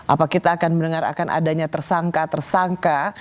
apa kita akan mendengar akan adanya tersangka tersangka